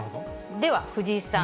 では藤井さん。